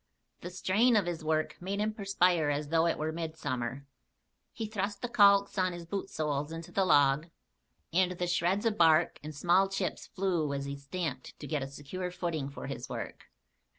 The strain of his work made him perspire as though it were midsummer. He thrust the calks on his bootsoles into the log and the shreds of bark and small chips flew as he stamped to get a secure footing for his work.